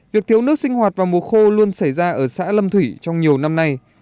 việc thiếu nước sinh hoạt vào mùa khô luôn xảy ra ở xã lâm thủy trong nhiều năm nay